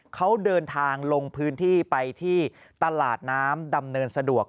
เขาเดินทางลงพื้นที่ไปที่ตลาดน้ำดำเนินสะดวก